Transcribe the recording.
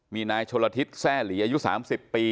มีนายชนละทิศแซ่หลีอายุ๓๐ปี